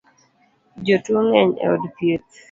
Jotuo ng’eny e od thieth